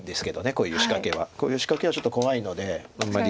こういう仕掛けはちょっと怖いのであんまり。